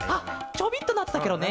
ちょびっとなってたケロね。